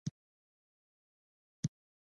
ایا ستاسو قلم د حق لپاره لیکل نه کوي؟